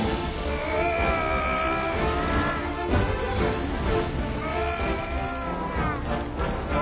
うわ！